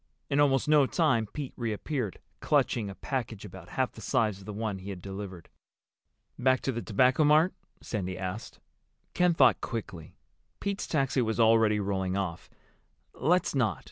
In almost no time Pete reappeared, clutching a package about half the size of the one he had delivered. "Back to the Tobacco Mart?" Sandy asked. Ken thought quickly. Pete's taxi was already rolling off. "Let's not.